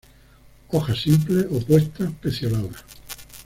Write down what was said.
Hojas simples, opuestas, pecioladas.